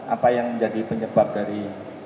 apa yang menjadi penyebab dari